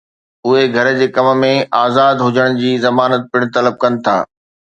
اهي گهر جي ڪم ۾ آزاد هجڻ جي ضمانت پڻ طلب ڪن ٿا